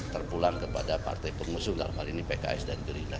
terpulang kepada partai pengusung dalam hal ini pks dan gerindra